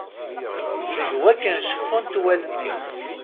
Seg wakken cufent wallen-is.